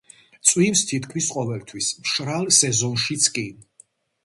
წვიმს თითქმის ყოველთვის, მშრალ სეზონშიც კი.